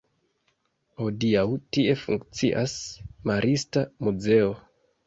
Hodiaŭ tie funkcias marista muzeo.